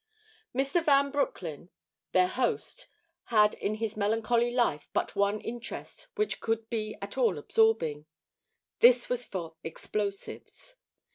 Mr. Van Broecklyn, their host, had in his melancholy life but one interest which could be at all absorbing. This was for explosives.